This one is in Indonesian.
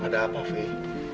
ada apa fee